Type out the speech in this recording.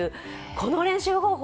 この練習方法。